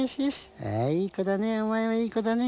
いい子だね、お前はいい子だね。